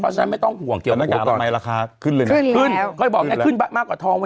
เจ้าแต้นกากผ้าก็ได้